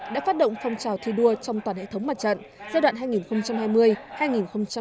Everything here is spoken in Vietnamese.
đã phát động phong trào thi đua trong toàn hệ thống mặt trận giai đoạn hai nghìn hai mươi hai nghìn hai mươi năm